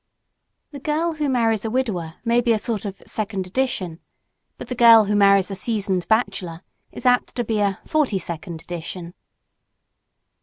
The girl who marries a widower may be a sort of "second edition," but the girl who marries a seasoned bachelor is apt to be a forty second edition.